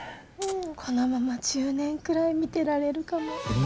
このまま１０年くらい見てられるかも。